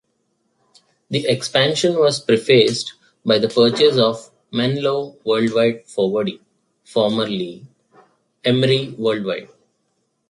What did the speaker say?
The expansion was prefaced by the purchase of Menlo Worldwide Forwarding, formerly Emery Worldwide.